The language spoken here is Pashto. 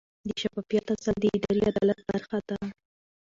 د شفافیت اصل د اداري عدالت برخه ده.